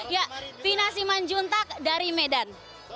ya pinasiman juntak dari medan